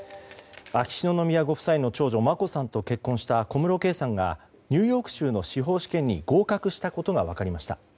秋篠宮ご夫妻の長女・眞子さんと結婚した小室圭さんがニューヨーク州の司法試験に合格したことが分かりました。